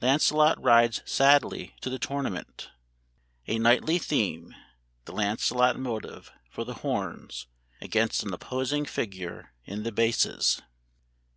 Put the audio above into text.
"LANCELOT RIDES SADLY TO THE TOURNAMENT" [A knightly theme (the Lancelot motive) for the horns, against an opposing figure in the basses.